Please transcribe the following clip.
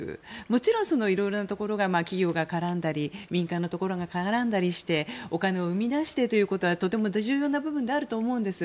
もちろん、いろいろなところ企業が絡んだり民間が絡んだりしてお金を生み出してということはとても重要な部分だと思うんです。